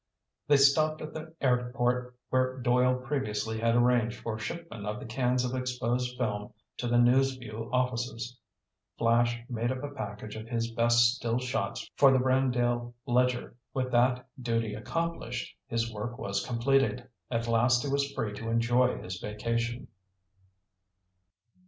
They stopped at the airport where Doyle previously had arranged for shipment of the cans of exposed film to the News Vue offices. Flash made up a package of his best "still" shots for the Brandale Ledger. With that duty accomplished, his work was completed. At last he was free to enjoy his vacation.